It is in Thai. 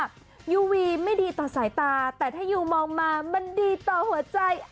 ยูวีไม่ดีต่อสายตาแต่ถ้ายูมองมามันดีต่อหัวใจ